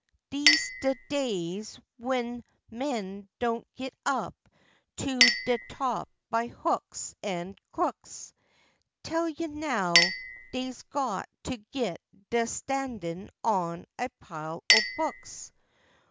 Dese de days w'en men don't git up to de top by hooks an' crooks; Tell you now, dey's got to git der standin' on a pile o' books.